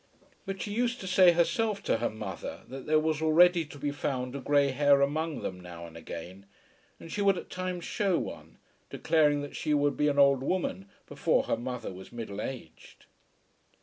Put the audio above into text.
But she used to say herself to her mother that there was already to be found a grey hair among them now and again, and she would at times shew one, declaring that she would be an old woman before her mother was middle aged.